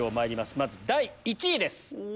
まず第１位です。